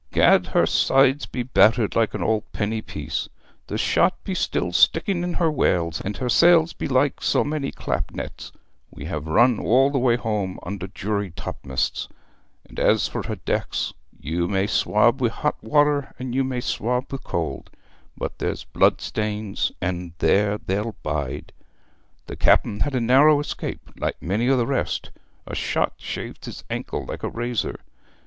Gad, her sides be battered like an old penny piece; the shot be still sticking in her wales, and her sails be like so many clap nets: we have run all the way home under jury topmasts; and as for her decks, you may swab wi' hot water, and you may swab wi' cold, but there's the blood stains, and there they'll bide. ... The Cap'n had a narrow escape, like many o' the rest a shot shaved his ankle like a razor.